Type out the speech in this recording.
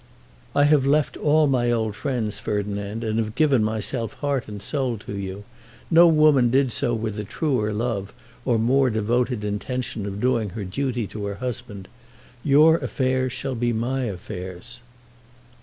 "I have left all my old friends, Ferdinand, and have given myself heart and soul to you. No woman did so with a truer love or more devoted intention of doing her duty to her husband. Your affairs shall be my affairs."